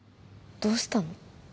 どうしたの？